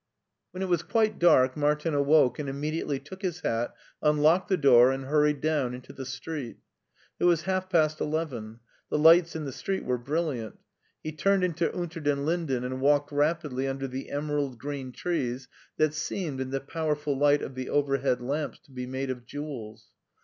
When it was quite dark Martin awoke and imme diately took his hat, unlocked the door, and hurried down into the street. It was half past eleven. The lights in the street were brilliant. He turned into Unter den Linden and walked rapidly under the emerald green trees that seemed in the powerful light of the overhead lamps to be made of jewels.